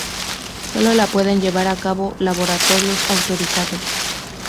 Solo la pueden llevar a cabo laboratorios autorizados.